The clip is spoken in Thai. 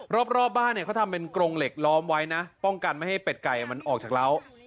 รอบบ้านเนี่ยเขาทำเป็นกรงเหล็กล้อมไว้นะป้องกันไม่ให้เป็ดไก่มันออกจากเล้า